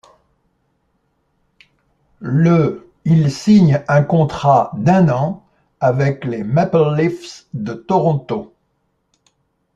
Le il signe un contrat d'un an avec les Maple Leafs de Toronto.